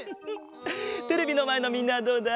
テレビのまえのみんなはどうだ？